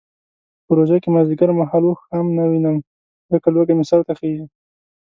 په روژه کې مازدیګر مهال اوښ هم نه وینم ځکه لوږه مې سرته خیژي.